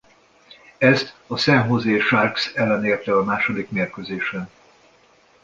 Ezt a San Jose Sharks ellen érte el a második mérkőzésen.